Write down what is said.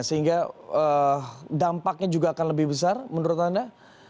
sehingga dampaknya juga akan lebih besar menurut anda